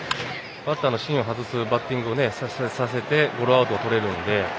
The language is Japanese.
バッターの芯を外すバッティングをさせてゴロアウトをとれるので。